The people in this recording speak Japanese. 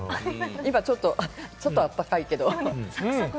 今ちょっと温かいけれど。